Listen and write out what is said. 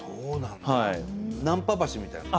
ナンパ橋みたいなとこ。